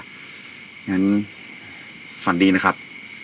อย่างนั้นสวัสดีนะครับ